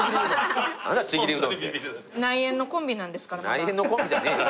内縁のコンビじゃねえよ。